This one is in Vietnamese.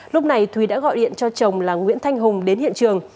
lúc này thúy đã gọi điện cho chồng là nguyễn thanh hùng đến hiện trường